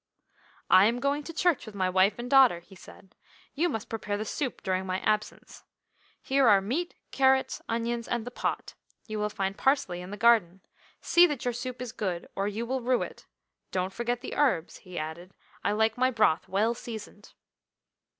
"I am going to church with my wife and daughter," he said. "You must prepare the soup during my absence. Here are meat, carrots, onions, and the pot. You will find parsley in the garden. See that your soup is good, or you will rue it. Don't forget the herbs," he added; "I like my broth well seasoned."